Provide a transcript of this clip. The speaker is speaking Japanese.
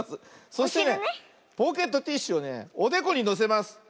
そしてねポケットティッシュをねおでこにのせます。